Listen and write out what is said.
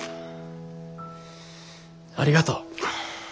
ありがとう。